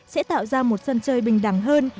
sẽ tạo ra một sân chơi bình đẳng hơn